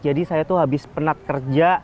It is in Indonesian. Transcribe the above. jadi saya tuh habis penat kerja